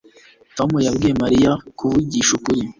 Tom yabwiye Mariya kuvugisha ukuri